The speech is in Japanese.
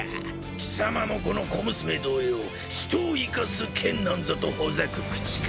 貴様もこの小娘同様人を生かす剣なんざとほざく口か。